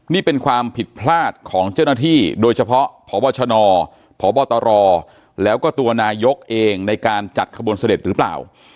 นี่เป็นความผิดพลาดของเจ้าหน้าที่โดยเฉพาะพบชนพบตรแล้วก็ตัวนายกเองในการจัดขบวนเสด็จหรือเปล่า